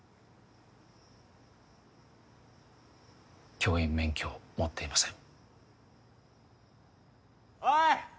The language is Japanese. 教員免許を持っていませんおい